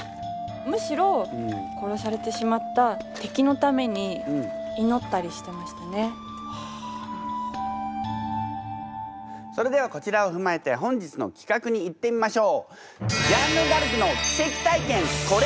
むしろそれではこちらを踏まえて本日の企画にいってみましょう。